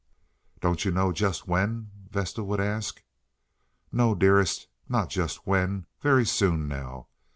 "Don't you know just when?" Vesta would ask. "No, dearest, not just when. Very soon now.